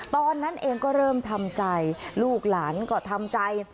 ตอนนั้นเองก็เริ่มทำใจลูกหลานก็ทำใจ